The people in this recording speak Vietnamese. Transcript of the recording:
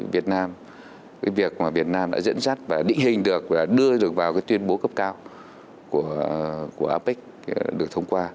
việc mà việt nam đã dẫn dắt và định hình được và đưa được vào tuyên bố cấp cao của apec được thông qua